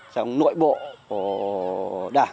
trong nội bộ của đảng